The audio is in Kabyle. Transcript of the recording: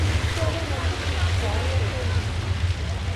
Ttarran aṭas n sskeṛ i watay-nsen.